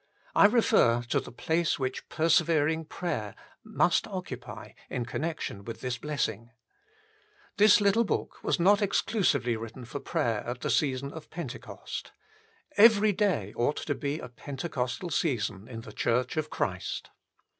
I refer to the place which persevering prayer must occupy in connection with this blessing. This little book was not exclusively written for prayer at the season of Pentecost. Every day 4 INTRODUCTION ought to be a Pentecostal season in the Church of Christ.